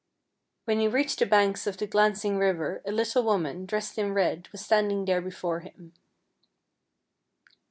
When he reached the banks of the glancing river a little woman, dressed in red, was standing there before him.